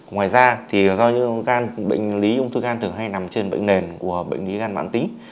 ngoài ra thì do những bệnh lý ung thư gan thường hay nằm trên bệnh nền của bệnh lý gan mãn tính